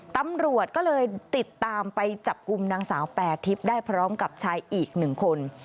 ตำรวจก็เลยติดตามไปจับกลุ่มนางสาวแปรทิพย์ได้พร้อมกับชายอีกหนึ่งคน